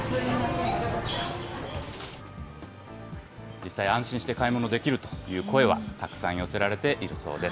実際、安心して買い物できるという声はたくさん寄せられているそうです。